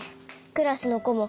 クラスのこも